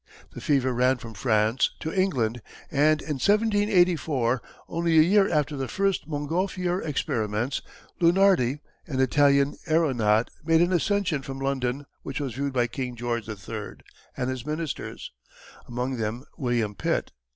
The fever ran from France to England and in 1784, only a year after the first Montgolfier experiments, Lunardi, an Italian aeronaut made an ascension from London which was viewed by King George III. and his ministers, among them William Pitt.